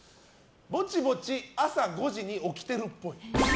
ぼちぼち朝５時に起きてるっぽい。